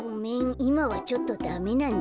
いまはちょっとダメなんだ。